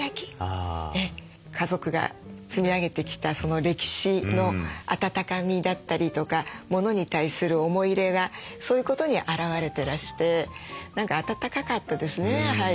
家族が積み上げてきた歴史の温かみだったりとかものに対する思い入れがそういうことに表れてらして何か温かかったですね